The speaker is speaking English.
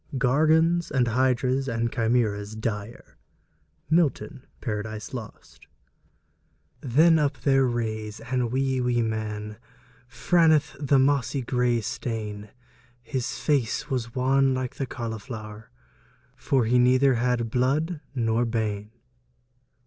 Gorgons, and hydras, and chimeras dire. MILTON: Paradise Lost. Then up there raise ane wee wee man Franethe the moss gray stane; His face was wan like the collifloure, For he nouthir had blude nor bane.